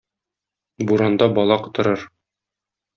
Буранда бала котырыр.